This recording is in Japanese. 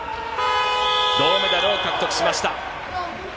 銅メダルを獲得しました。